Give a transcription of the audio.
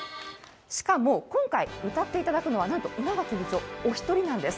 しかも今回歌っていただくのは稲垣部長お一人なんです。